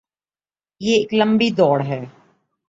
یہ ایک لمبی دوڑ ہے۔